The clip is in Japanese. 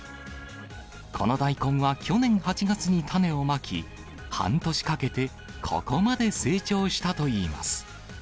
この大根は去年８月に種をまき、半年かけて、ここまで成長したといいます。